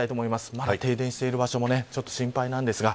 まだ停電している場所も心配なんですが。